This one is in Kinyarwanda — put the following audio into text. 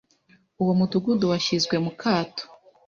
uwo mudugudu washyizwe mu kato,